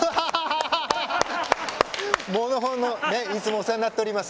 モノホンのいつもお世話になっております。